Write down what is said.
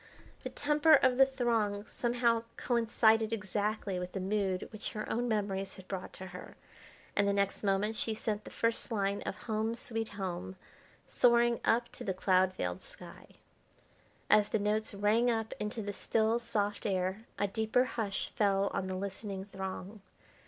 The temper of the throng somehow coincided exactly with the mood which her own memories had brought to her, and the next moment she sent the first line of "Home, Sweet Home" soaring up to the cloud veiled sky. As the notes rang up into the still, soft air a deeper hush fell on the listening throng.